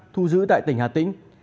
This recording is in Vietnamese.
thu giữ tại tỉnh hà tĩnh